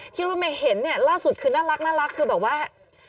ที่เรามาเห็นล่าสุดคือน่ารักคือแบบว่า